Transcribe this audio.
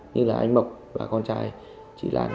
như là anh mộc và con trai chị lan